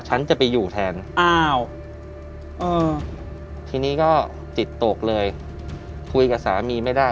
ฉันจะไปอยู่แทนอ้าวทีนี้ก็จิตตกเลยคุยกับสามีไม่ได้